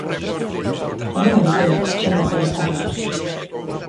E non avisei, foi improvisado.